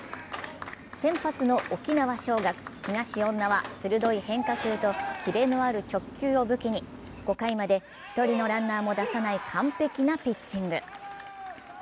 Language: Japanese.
先発の沖縄尚学、東恩納は鋭い変化球とキレのある直球を武器に５回まで１人のランナーも出さない完璧なピッチング。